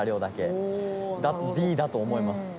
「Ｄ」だと思います。